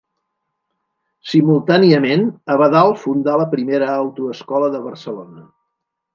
Simultàniament, Abadal fundà la primera autoescola de Barcelona.